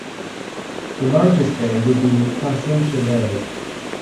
The largest bay would be Placentia Bay.